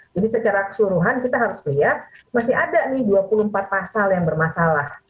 jadi secara keseluruhan kita harus lihat masih ada nih dua puluh empat pasal yang bermasalah